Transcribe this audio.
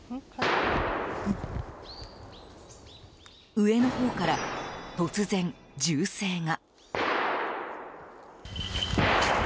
上のほうから、突然銃声が。